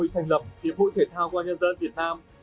thành lập hiệp hội thể thao công an nhân dân việt nam